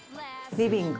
リビング。